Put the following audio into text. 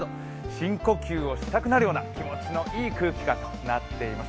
深呼吸をしたくなるような気持ちのいい空気となっています。